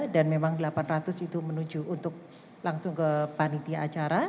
dan memang delapan ratus itu menuju untuk langsung ke panitia acara